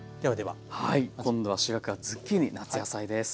はい今度は主役がズッキーニ夏野菜です。